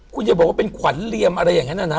คุณอย่าบอกว่าเป็นขวัญเหลี่ยมอะไรอย่างนั้นนะนะ